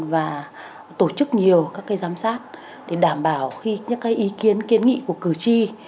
và tổ chức nhiều các cái giám sát để đảm bảo khi những ý kiến kiến nghị của cử tri